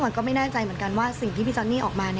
ก็ไม่แน่ใจเหมือนกันว่าสิ่งที่พี่จอนนี่ออกมา